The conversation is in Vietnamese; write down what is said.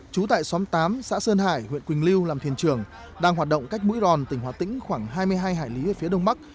trú tại xóm tám xã sơn hải huyện quỳnh lưu làm thuyền trưởng đang hoạt động cách mũi ròn tỉnh hòa tĩnh khoảng hai mươi hai hải lý phía đông bắc